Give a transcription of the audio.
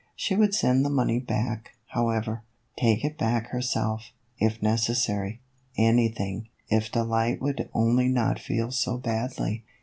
She would send the money back, however ; take it back herself, if nec essary ; anything, if Delight would only not feel so badly.